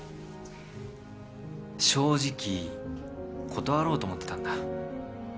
正直断ろうと思ってたんだ。